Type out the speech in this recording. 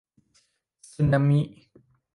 สึนามิ